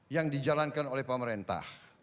yang dijalankan oleh pemerintah